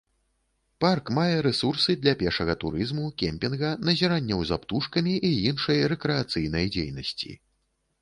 Парк мае рэсурсы для пешага турызму, кемпінга, назіранняў за птушкамі і іншай рэкрэацыйнай дзейнасці.